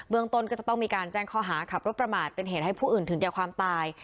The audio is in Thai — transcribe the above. เมืองต้นก็จะต้องมีการแจ้งข้อหาขับรถประมาทเป็นเหตุให้ผู้อื่นถึงแก่ความตาย